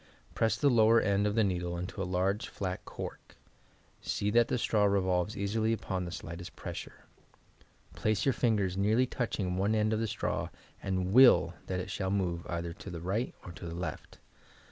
Press the lower end of the needle into a large, flat cork ; see that the straw revolves easily upon the slightest pressure. Place your fingers nearly touching one end of the straw and icill that it shall move either to the right or to the left.